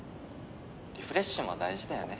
「リフレッシュも大事だよね」